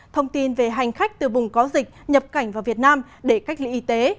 thông tin về hành khách từ vùng có dịch nhập cảnh vào việt nam để cách ly y tế